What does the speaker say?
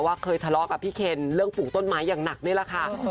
เคยทะเลาะกับพี่เคนเรื่องปลูกต้นไม้อย่างหนักนี่แหละค่ะ